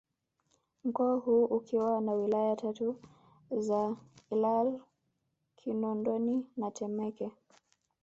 Mkoa huo ukiwa na Wilaya tatu za Ilala Kinondoni na Temeke